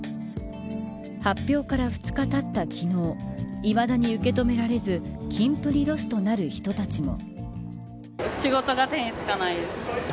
発表から２日たった昨日いまだに受け止められずキンプリロスとなる人たちも。